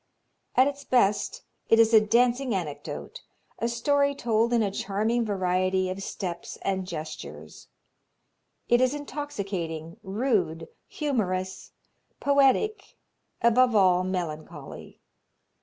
At its best it is a dancing anecdote, a story told in a charming variety of steps and gestures. It is intoxicating, rude, humorous, poetic, above all melancholy.